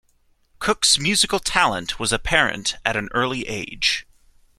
Cook's musical talent was apparent at an early age.